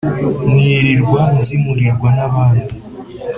nkirirwa nzimurirwa n'abandi